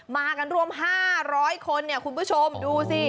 มากันรวม๕๐๐คนเนี่ยคุณผู้ชมดูสิ